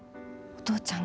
お父ちゃん！